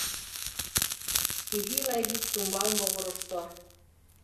Изи-лай вӱд тумбал могырышто